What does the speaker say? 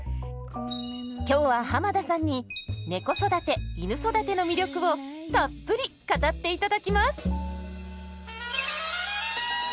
今日は濱田さんに「ねこ育ていぬ育て」の魅力をたっぷり語っていただきます。